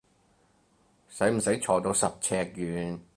使唔使坐到十尺遠？